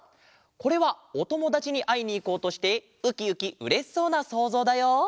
これはおともだちにあいにいこうとしてウキウキうれしそうなそうぞうだよ。